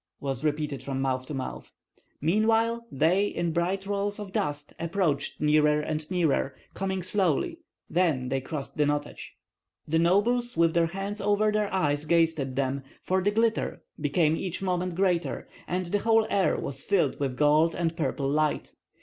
was repeated from mouth to mouth. Meanwhile they in bright rolls of dust approached nearer and nearer, coming slowly; then they crossed the Notets. The nobles with their hands over their eyes gazed at them; for the glitter became each moment greater, and the whole air was filled with gold and purple light.